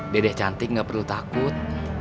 dedek cantik gak perlu takut